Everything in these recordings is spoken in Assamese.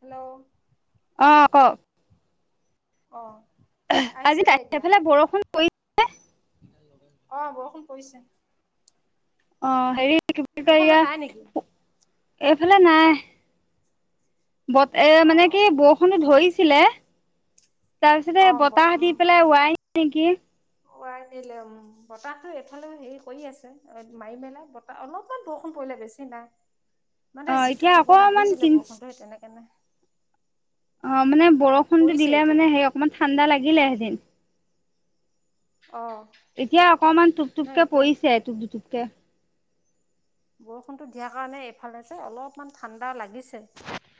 হেল্ল' অ', ক' অ', আহিছে আজি দে এতিয়া কাঠফালে বৰষুণ পৰিছে অ', বৰষুণ পৰিছে। অ', হেৰি কি বুলি কই, সেইফালে নাই নেকি এয়া এইফালে নাই। বত এ অ মানে কি বৰষুণো ধৰিছিলে তাৰ পিছতে অ বতাহ দি পেলাই ওৱাই নেকি এই বতাহটো এইফালেও হেৰি কৰি আছে মাৰি মেলাই বতাহ অলপমান বৰষুণ পৰিলে বেছি অ মানে যিটো এতিয়া কোবত অকমান আহিছিলে কিন বৰষুণটো সেই তেনেকেনে নাই। অ', মানে বৰষুণতটো পৰিছে দিলে এতিয়া মানে হে অকমান ঠাণ্ডা লাগিলে সেদিন। অ এতিয়া অকণমান টোপ নহয় টোপকে এতিয়া পৰিছে টোপ দুুটুপকে। বৰষুণটো দিয়াৰ কাৰণে এইফালে যে অলপমান ঠাণ্ডা লাগিছে।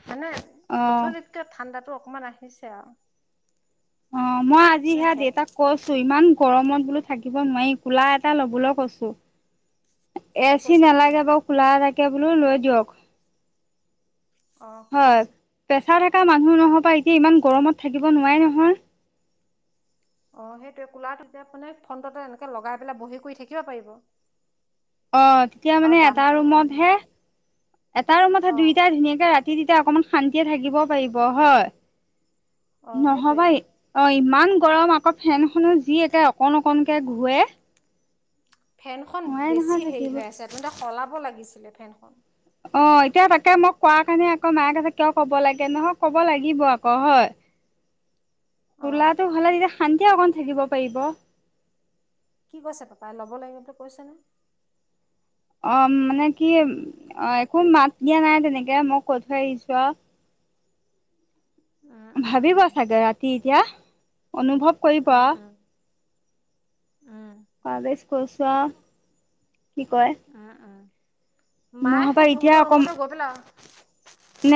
মানে অ অথনিতিকে ঠাণ্ডাতো অকমান আহিছে আৰু। অ', মই আজি মানে সেইয়া হেড দেউতাক কৈছো, ইমান গৰমত বোলো থাকিব নোৱাৰি, কোলাৰ এটা লবলৈ কৈছো। এ কি চি কৈছে তেতিয়া নালাগে বাৰু কোলাৰ এটাকে বোলো লৈ দিয়ক। অ', কি কৈছে? চাই থকা মানুহ, নহবা এতিয়া ইমান গৰমত থাকিব নোৱাৰে নহয়। অ', সেইটোৱে, কুলাৰটো যে মানে ফ্ৰণ্টতে এনেকে লগাই পেলাই বহি কৰি থাকিব পাৰিব। অ', তেতিয়া আৰু মানে এটা দামটো ৰুমতহে, এটা ৰুমতে অ দুইটাই ধুনীয়াকে ৰাতি তিনিতা অকমান শান্তিয়ে থাকিব পাৰিব হয়, অ নহ'ব সেইটোৱেই এই অ', এই ইমান গৰম আকৌ ফেন খনো যি একে অকণ অকনকে ঘূৰে। ফেনখন নোৱাৰে নহয় বেছি হেৰি থাকিব হৈ আছে, তেন্তে সলাব লাগিছিলে ফেনখন। অ', এতিয়া তাকে মই কোৱাৰ কাৰণে আকৌ মায়ে কৈছে আছে কিয় কব লাগে নহয় কব লাগিব আকৌ হয়। অ কুলাৰটো হ'লে তেতিয়া শান্তি অকণ থাকিব পাৰিব। কি কৈছে পাপাই, ল'ব লাগিব বুলি কৈছেনে? অ', মানে কি অ', একো মাত দিয়া নাই তেনেকে মই কৈ থৈ আহিছো আৰু। উম উম ভাবিব উম চাগে ৰাতি এতিয়া, অনুভৱ কৰিব। উম উম উম কাগজ কৈছো আৰু কি কয় উম উম মায়ে নহবা সেই তহঁতৰ ৰুমতে গৈ পেলাই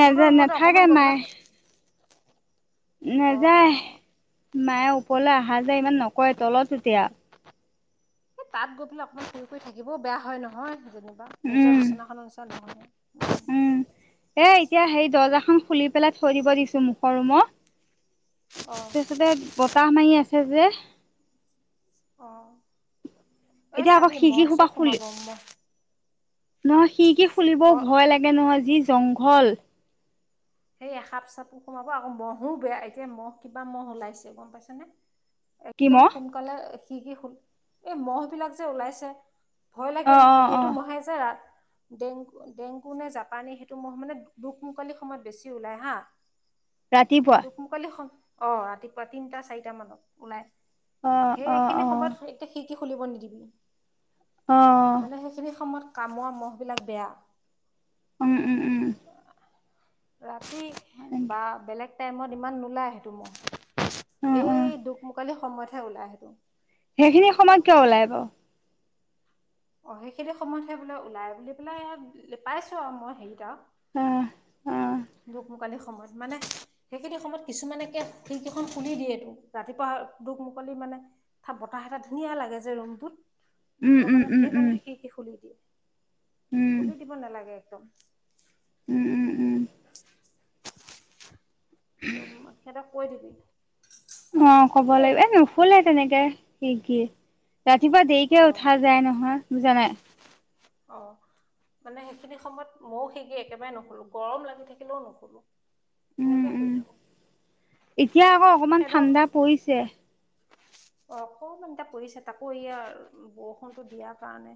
তহঁতৰ ৰুমতে নেথাকে অকণমান গৈ মায়ে। পেলাই অ নাযায়, মায়ে ওপৰলৈ অহা যায় ইমান নকৰে তলত এতিয়া। এই তাত গৈ পেলাই অকমান ফুৰি কৰি থাকিবও বেয়া হয়, নহয় যেনিবা, আৰু নিজৰ উম বিচনাখনৰ নিচিনা নহয় নহয়। উম, এ এতিয়া সেই দৰ্জাখন খুলি পেলাই থৈ দিব দিছো মুখৰ ৰুমৰ। অ তাৰপিছতে বতাহ মাৰি আছে যে। অ' এ এতিয়া আকৌ চাবি ম'হ খিৰিকী চহ সোপা খুলি সোমাব ম নহয় সিকি খুলিব ভয় লাগে নহয়, যি জংঘল। সেই এ সাপ চাপো সোমাব, আকৌ মহো বেয়া, এতিয়া মহো, কিবা মহ ওলাইছে গম পাইছেনে। কিম একদম অ সোনকালে সিকি খোল, এই মহ বিলাক যে উলাইছে। ভয় লাগে অ নহয়, অ সেইটো মহে যে ৰা ডেংগু ডেংগু নে জাপানী সেইটো মহ মানে দুক মুকলি সময়ত বেছি ওলাই হা। ৰাতিপুৱা দোক মোকালি, অ', ৰাতিপুৱা তিনটা চাৰিটা মানত ওলাই। অ অ সেইখিনি সময়ত অ এতিয়া সি, কি? খুলিব নিদিবি অ মানে, সেইখিনি সময়ত কামোৱা, মহবিলাক বেয়া। উম, উম, উম। ৰাতি হয় নেকি বা বেলেগ টাইমত ইমান নোলায় সেইটো ম'হ। অ অ এই, দুক-মোকালি সময়তহে ওলাই সেইটো। সেইখিনি সেইটো সময়ত কিয়, বহাই মানে ওলাই বাৰু? অ, সেইখিনি সময়তহে বোলে ওলাই, বুলি পেলাই ইয়াত পাইছো আৰু মই হেৰিত অ', অ'। দোক-মুকালি সময়ত, মানে সেইখিনি সময়ত কিছুমানে কে, খিৰীকিখন খুলি দিয়েটো ৰাতিপুৱা দোক- মুকলি মানে, ত, বতাহ এটা ধুনীয়া লাগে যে, ৰুমটোত। উম সেইটো উম কাৰণে উম ধেৰ উম মানুহে খিৰিকী খুলি দিয়ে, খুলি দিব নালাগে, একদম। উম, উম, উম। সেইটো, সিহঁতক কৈ দিবি। অ, ক'ব এই লাগিব। এ, নোখোলে তেনেকে খিৰিকী। ৰাতিপুৱা অ দেৰিকে উঠা যায় নহয়, বুজা নাই। অ মানে সেইখিনি সময়ত ময়ো খিৰিকী একেবাৰে নোখোলো। গৰম লাগি থাকিলেও নোখোলো। উম, উম। এতিয়া আকৌ অকমান ঠাণ্ডা পৰিছে। অ, অকণমান এতিয়া পৰিছে। তাকো এই বৰষুণটো দিয়াৰ কাৰণে।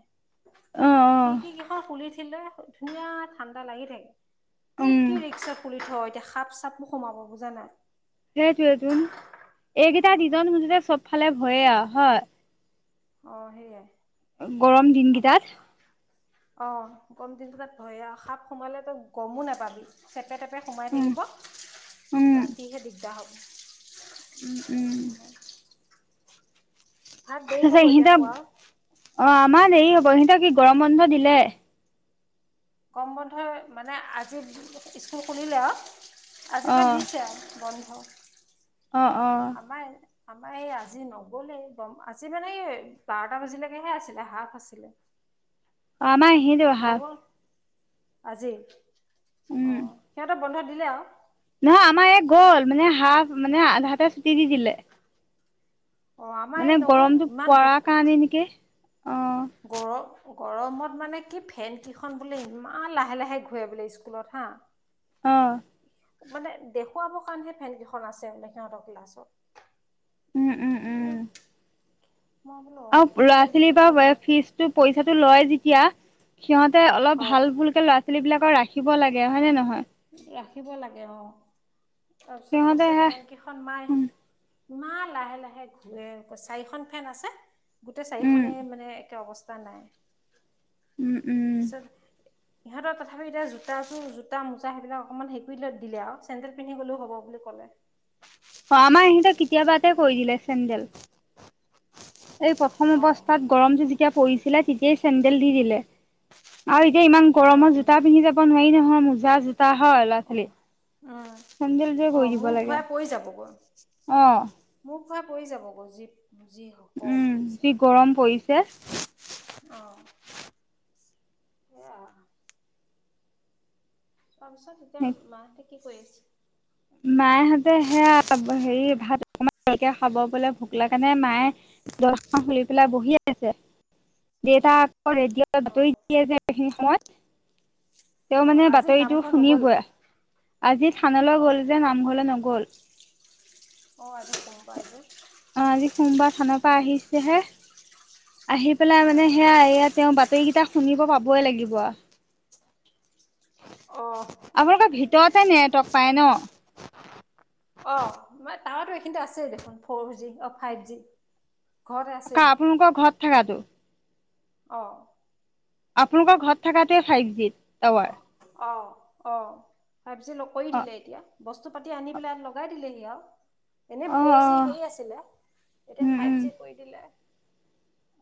অ অ খিৰিকী কেইখন খুলিদিলে, ধুনীয়া ঠাণ্ডা লাগি থাকে। কিন্তু উম কি, ৰিক্সা খুলি থ, এতিয়া সাপ, চাপো সোমাব বুজা নাই। সেইটোৱে তোন এইকেইটা উম, দিন মুঠতে চব ফালে ভয়ে আৰু হয়। অ, সেইয়। গৰম দিনকেইটাত। অ, গম দিনটো তাতয় আৰু সাপ সোমালে তই গমো নাপাবি। টেপে, টেপে সোমাই উম থাকিব। উম ৰাতিহে দিগদাৰ হ'ব। উম, উম। ভাত দেৰি তাৰিত হ'ব এতিয়া ইহঁত অ, খোৱা আমাৰ দেৰি হ'ব। ইহতক কি গৰম বন্ধ দিলে। গৰম বন্ধই মানে আজি স্কুল খুলিলে আৰু। আজি বা অ দিছে আৰু বন্ধ। অ', অ'। আমাৰ আমাৰ এই আজি নগলে গম আজি মানে এই বাৰটা বজিলৈকেহে আছিলে, হাফ আছিলে। আমৰ সেই, দেৱ হা নগ'ল আজি, অ, উম, সিহঁতে বন্ধ দিলে আৰু। নহয় আমাৰ এই গ'ল মানে, হাফ মানে আ, হাতে চুটি দি, দিলে। অঁ আমাৰ মানে এই নগ'ল গৰমতটো পাৰ কাৰণে নেকি। অ', গৰম গৰমত মানে কি ফেন কিখন বোলে ইমান লাহে, লাহে ঘূৰা বোলে স্কুলত। হা অ', মানে দেখুৱাবৰ কাৰণেহে ফেন কেইখন আছে মানে সিহঁতৰ ক্লাছত। উম, উম, উম। মই বোলো অ, অঁ কিনো ল'ৰা, কৰিবি এতিয়া ছোৱালীৰ চব পৰা ল'ৰা ফিজটো, পইচাটো লয় যেতিয়া সিহঁতে অলপ অঁ ভাল বুলকে ল'ৰা ছোৱালী বিলাকৰ ৰাখিব লাগে, হয়, নে, নহয়। থাকিব লাগে। অ, তাৰপিছত সিহঁতে কৈছে হে ফেন কেইখন নাই। উম, ইমান লাহে, লাহে ঘূৰে। চাৰিখন ফেন আছে গোটেই উম, চাৰিখনে মানে একে অৱস্থা উম, উম, তিত, ইহঁতৰ তথাপি এতিয়া জ তাৰো জোতা, মোজা সেইবিলাক অকমান হেক দিলে আৰু চেণ্ডেল পিন্ধি গলেও হ'ব বুলি ক'লে। অ, আমাৰ ইহঁতক কেতিয়াবাতে কৈ দিলে চেডেল। এই প্ৰথম অঁ অৱস্থাত গৰমটো যেতিয়া পৰিছিলে, তেতিয়াই চেডেল দি দিলে। আৰু এতিয়া ইমান গৰমৰ জোতা পিন্ধি যাব নোৱাৰি নহয়, মোজা, জোতা হয় ল'ৰা অ ছোৱালী উম চেন্দেলযোৰে কৰি আহ দিব মোৰ লাগে ঘূৰাই পৰি যাবগৈ অ ঘোৰাই পৰি যাবগৈ যি যি কম উম যি গৰম পৰিছে আহ সয়া তাৰপিছত তেতিয়া মাহঁতে কি কৰি আছে মায়েহঁতে সেয়া হেৰি ভাত কে খাব বোলে ভোক লগা নাই মায়ে ৰ্দজাখন খুলি পেলাই বহি আছে দেটা আকৌ ৰেডিঅ' অঁ বাতৰি দিয়ে যে এইখিনি সময়ত তেওঁ অঁ মানে আজি বাতৰিটো নামঘৰ নগ'ল শুনিবয়ে আজি থানালৈ অঁ গ'ল মংঘল নগল অ আজি সোমবাৰযে অ আজি সোমবাৰ থানৰ পৰা আহিছেহে আহি পেলাই মানে সেয়া এই তেওঁ বাতৰিকেইটা শুনিব পাবই লাগিব অঁ অঁ আপোনালোকৰ ভিতৰতে নেটৱৰ্ক পায় ন অ পাৱৰটো এইখিনিতে আছে দেখোন ফ'ৰ জি অ ফাইভ জি ঘৰতে আছেই কা দেখোন আপোনালোকৰ ঘৰত থাকাটো অ আপোনালোকৰ ঘৰত থকাতোৱে ফাইভ জি টাৱাৰ অ অ ফাইপজি লগ কৰি অ দিলে এতিয়া বস্তু পাতি আনি পেলাই লগাই দিলেহি আৰু এনে অ অ ফ'ৰ জি হে আছিলে এতিয়া উম উম ফাইভ জি কৰি দিলে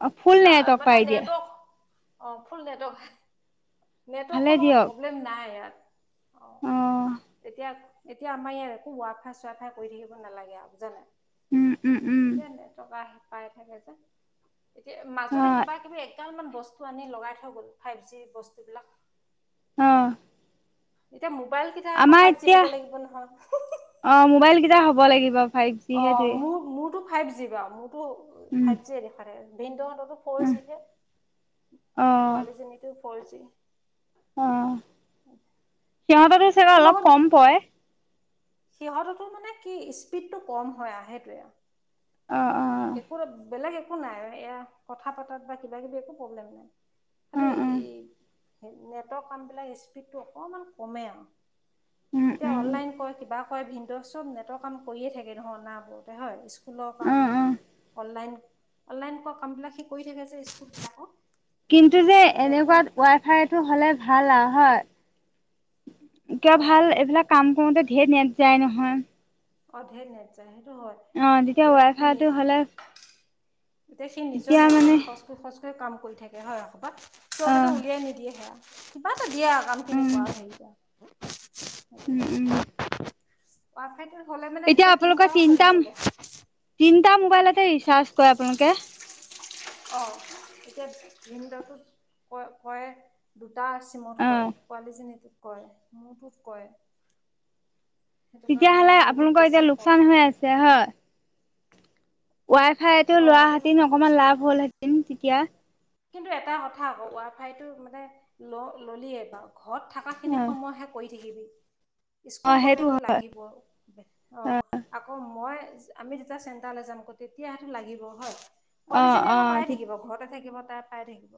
অ ফুল তা নেটৱক মানে পাই দিয়া নেটৱৰ্ক অ ফুল নেটৱৰ্ক ভালে নেটৱৰ্কৰ লগত দিয়ক প্ৰব্লেম নাই এয়াত। অ এতিয়া আমাৰ ইয়াত একো ৱাফাই-চুৱফাই কৰি থাকিব নালাগে আৰু বুজানাই? উম উম উম [unintelligible] টকা পাই থাকে যে এতিয়া অ মাজতে কিবা-কিবি এগাল মান বস্তু আনি লগাই থৈ গ'ল, ফাইব জি বস্তুবিলাক। অ এতিয়া মোবাইল কিটা আকৌ আমাৰ ফাইব জি এতিয়া হ'ব লাগিব নহয়। অ মোবাইল কেইটা হ'ব লাগিব। ফাইভ জি অ, সেইটোৱে মো-মোতো ফাইভ জি বাউ, মোটো উম ফাইভ জিয়ে দেখা থাকে। ভিনদ' হঁতটো টো ফৰ উম জিহে। অ পোৱালিজনীতো ফৰ জি। অ, সিহঁততো চাগে তোৰ অলপ লগত কম পৰে। সিহঁততো মানে কি স্পীডটো কম হয় আ হেইটোৱে। অ অ একোতো বেলেগ একো নাই এয়া কথা পাতাত বা কিবা কিবি একো প্ৰব্লেম নাই। খালি উম উম এই এ নেটৰ কামবিলাক স্পীডটো অকমান কমেই আউ। উম এতিয়া অনলাইন উম কয় কিবা কয় ভিনদ' চব নেটৰ কাম কইয়ে থাকে দেহু অনাবতে হয়। সুল উম কাম, উম অনলাইন, অনলাইনক কাম বিলাক সি কই থাকে যে স্কুলবিলাক কিন্তু যে, এনেকুৱাত ৱাই-ফাইটো হ'লে ভাল আউ হয়। কিয় অ ভাল এইভিলাক কাম কওঁতে ধেই নেট যায় নহয়। আৰু ধেই নেট যায়। হয় অ তেতিয়া এতিয়া সি নি ৱাই-ফাইটো হ'লে এতিয়া সি নিজৰ তেতিয়া নেট মানে খিনি খচ কই খচ কই কাম কই থাকে হয়, বাত অ সিহঁতেটো উলিয়াই নিদিয়ে হেয়া। কিবাএটা দিয়ে আ কাম খিনি উম কয়া উম বিনিময়ত। উম ৱা-ফাইটো এতিয়া আপোনালোক তিনটাম, তিনটা মোবাইলতে ৰিচাৰ্জ ক‌য়ে আপোনালোকে। অএতিয়া ভিন্দটোত ক কয়ে দা চিমত অ কয়ে, পোৱালীজনীটোত কয়ে, মোটোত কয়ে। তেতিয়াহ'লে আপোনালোকৰ এতিয়া খৰচ লোকচান হৈ যায় আছে হয়? ৱাই ফাইতো অ লোৱা এতিয়া হেঁতিন অকমান লোকচান লাভ হৈ আছে হ'লহেঁতিন তিতিয়া। কিন্তু এটা কথা আকৌ ৱাই ফাইটো মানে ল'- ললিয়ে বাউ ঘৰত থাকা অ খিনি সময়হে কৰি থাকিবি। অ স্কুল সেইটো গ'লেতো হয় লাগিবই। অ' আকৌ মই আমি যেতিয়া চেন্টায়লে যাম আক' তেতিয়াটো লাগিব হয়। অ পোৱালীজনীয়ে অ বা পায় থাকিব অ ঘৰতে থাকিব। তাই পাই থাকিব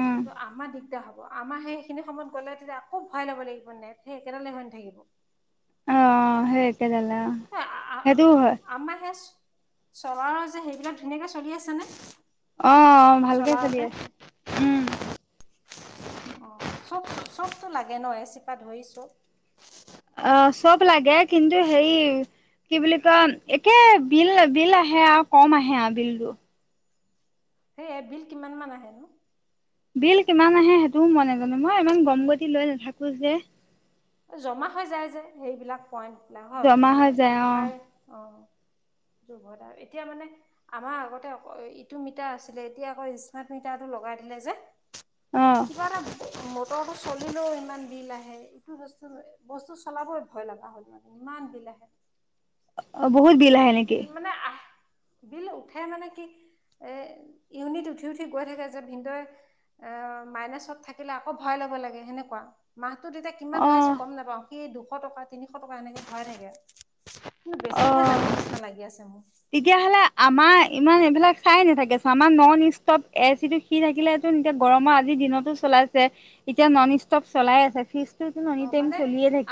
অ কিন্তু আমাৰ দি দিয়া হ'ব, আমা সেইখিনি সময়ত গ'লে তেতিয়া আকৌ ভয়াই ল'ব লাগিব নেট, সেই একেডালে হৈ নাথাকিব। অ', অ' হেই একেডালে অ'। সেইটোও হয়। আমাৰ সেই চলাৰৰ যে সেইবিলাক ধুনীয়াকে চলি আছেনে? অ', অ' ভালকে চলি চলাৰতে আছে, উম। অ' চব চবটো লাগে ন' এ চি পা ধৰি চব? অ' চব লাগে কিন্তু হেৰি কি বুলি কয় একে বিল বিল আহে আউ, কম আহে আউ বিলটো। হেইয়াই বিল কিমান মান আহেনো? বিল কিমান আহে সেইটোও মই নেজানো, মই ইমান গম গতি লৈ নাথাকো যে। জমা হৈ যায় যে সেইবিলাক পইন্ট বিলাক হয়, জমা মানে হৈ যায় অ', কাই অ'। [inaudible] দুৰ্ভতাও এতিয়া মানে আমাৰ আগতে অ-ইটো মিটাৰ আছিলে এতিয়া আকৌ স্মাৰ্ট মিটাৰটো লগাই যে অ', কিবা এটা মটৰটো চলিলেও ইমান বিল আহে। টো ৰষ্টো লৈ বস্তু চলাবই ভয় লগা হ'ল মানে ইমান বিলা আহে। অ', বহুত বিল আহে নেকি? মানে আহ বিল উঠে মানে কি এ, ইউনিট উঠি উঠি গৈ থাকে যে ভিনদই অ' মাইনাছত থাকিলে আকৌ ভয়াই ল'ব লাগে সেনেকুৱা মাহ তো তেতিয়া কিমান অ', ভৰাইছোঁ গম নাপাওঁ, সি দুশ টকা তিনিশ টকা এনেকে ভৰাই থাকে। কিন্তু বেছি হৈ যাব অ' নিচিনা লাগি আছে মোৰ তেতিয়াহ'লে আমাৰ ইমান এইবিলাক চায়ে নাথাকে, চ' আমাৰ নন ষ্টপ এ চি টো সি থাকিলেতোন এতিয়া গৰমৰ আজিৰ দিনতো চলা আছে, এতিয়া নন ষ্টপ চলাই আছে, ফ্ৰীজ অ' মানে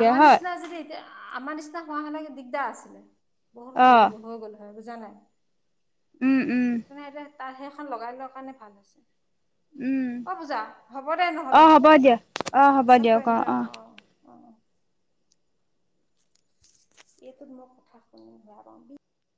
আমাৰ নিচিনা যদি এতিয়া, আমাৰ নিচিনা হোৱা হ'লে দিগদাৰ আছিলে। বহুত অ', সৰু হৈ গ'ল হয়, বুজা নাই? উম, উম। তাৰসেইখন লগাই লোৱা কাৰণে ভাল হৈছে। উম, অ', পূজা হ'ব দে অ' হ'ব দিয়, অ' হ'ব দিয়ক অ'। দিয়া অ', অ'। অ', অ'। এইটোত মই কথা শুনি বেয়া পাওঁ